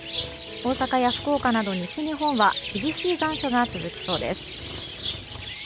大阪や福岡など西日本は厳しい残暑が続きそうです。